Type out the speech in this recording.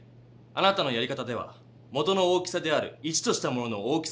あなたのやり方では元の大きさである１としたものの大きさがちがっていたんです。